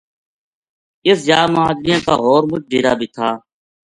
اس جا ما اجڑیاں کا ہور مُچ ڈیرا بے تھا